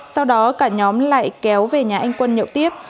sau đó cả nhóm lại kéo về nhà anh quân nhậu tiếp